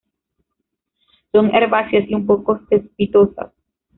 Son herbáceas y un poco cespitosas.